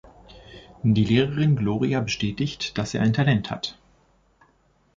Die Lehrerin Gloria bestätigt, dass er ein Talent hat.